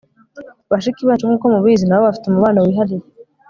bashiki bacu, nkuko mubizi, nabo bafite umubano wihariye